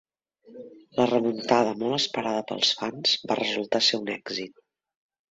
La remuntada, molt esperada pels fans, va resultar ser un èxit.